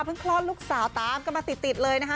คลอดลูกสาวตามกันมาติดเลยนะคะ